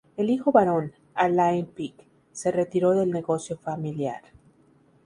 El hijo varón, Alain Pic, se retiró del negocio familiar.